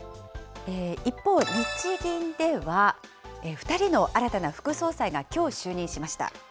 一方、日銀では、２人の新たな副総裁がきょう就任しました。